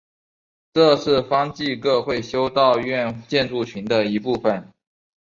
这是方济各会修道院建筑群的一部分。